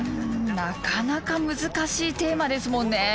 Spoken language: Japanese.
なかなか難しいテーマですもんね。